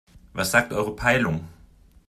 Was sagt eure Peilung?